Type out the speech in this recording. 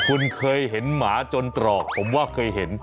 คุณเคยเห็นหมาจนตรอกผมว่าเคยเห็น